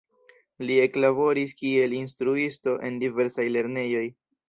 Li eklaboris kiel instruisto en diversaj lernejoj.